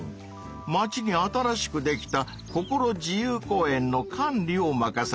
町に新しくできた「ココロ自由公園」の管理を任されている。